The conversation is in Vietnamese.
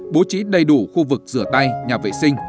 bố trí đầy đủ khu vực rửa tay nhà vệ sinh